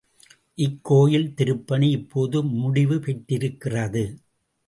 இக்கோயில் திருப்பணி இப்போது முடிவு பெற்றிருக்கிறது.